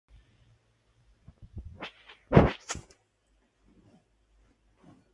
A continuación se clasifican los cantos gregorianos en tipos.